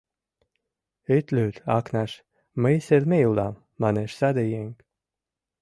— Ит лӱд, Акнаш, мый Селмей улам, — манеш саде еҥ.